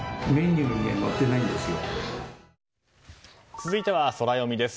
続いてはソラよみです。